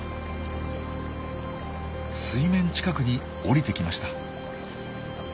水面近くに降りてきました。